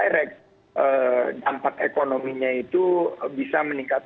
kita melihatnya terhadap transportasi akomodasi dan kegiatan kegiatan yang ada